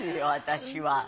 私は。